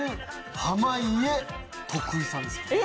濱家徳井さんですから。